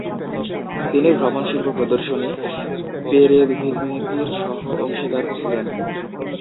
তিনি ভ্রমণ শিল্প প্রদর্শনী পেরেদভিজনকির সহ-অংশীদার ছিলেন।